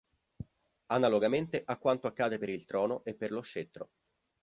Analogamente a quanto accade per il trono e per lo scettro.